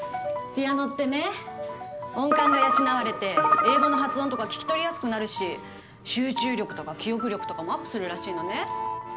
ピアノってね音感が養われて英語の発音とか聞き取りやすくなるし集中力とか記憶力とかもアップするらしいのね。